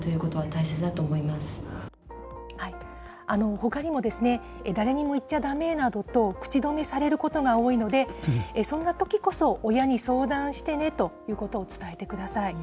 ほかにもですね、誰にも言っちゃだめなどと、口止めされることが多いので、そんなときこそ、親に相談してねということを伝えてください。